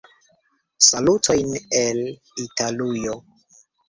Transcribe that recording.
Salutojn el Italujo.